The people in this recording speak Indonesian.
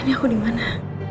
ini aku dimana